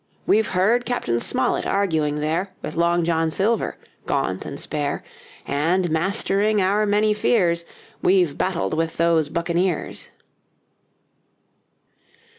We've heard Cap. Smollett arguing there With Long John Silver, gaunt and spare, And mastering our many fears We've battled with those buccaneers.